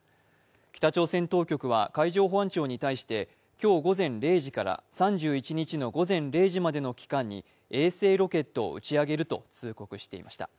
北朝鮮当局は海上保安庁に対して今日午前０時から３１日の午前０時までの期間に衛星ロケットを打ち上げると通告していました